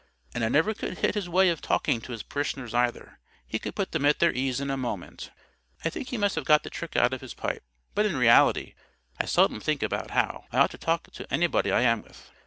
And I never could hit his way of talking to his parishioners either. He could put them at their ease in a moment. I think he must have got the trick out of his pipe. But in reality, I seldom think about how I ought to talk to anybody I am with.